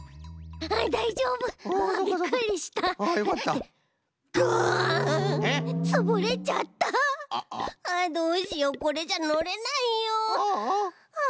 あどうしよこれじゃのれないよ。